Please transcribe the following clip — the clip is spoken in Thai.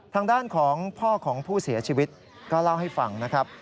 ทางด้านของพ่อของผู้เสียชีวิตก็เล่าให้ฟังนะครับ